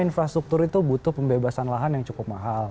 infrastruktur itu butuh pembebasan lahan yang cukup mahal